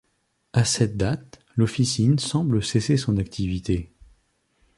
A cette date, l'officine semble cesser son activité.